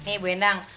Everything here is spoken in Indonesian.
nih bu endang